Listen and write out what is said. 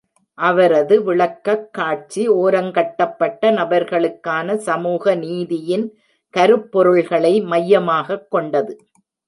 அவரது விளக்கக்காட்சி ஓரங்கட்டப்பட்ட நபர்களுக்கான சமூக நீதியின் கருப்பொருள்களை மையமாகக் கொண்டது.